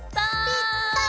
ぴったり。